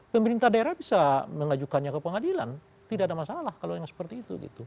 pemerintah daerah bisa mengajukannya ke pengadilan tidak ada masalah kalau yang seperti itu